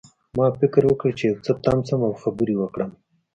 ما فکر وکړ چې یو څه تم شم او خبرې وکړم